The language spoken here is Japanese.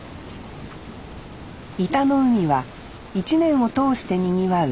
井田の海は１年を通してにぎわう